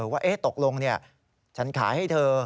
ว่าตกลงฉันขายให้เธอ